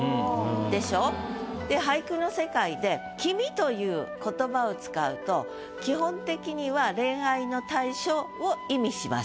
でしょ？で俳句の世界で「君」という言葉を使うと基本的には恋愛の対象を意味します。